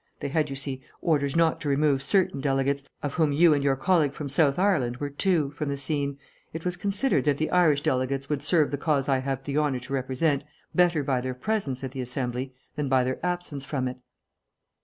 They had, you see, orders not to remove certain delegates, of whom you and your colleague from South Ireland were two, from the scene. It was considered that the Irish delegates would serve the cause I have the honour to represent better by their presence at the Assembly than by their absence from it."